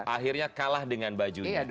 akhirnya kalah dengan bajunya